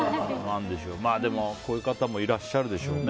でも、こういう方もいらっしゃるでしょうね。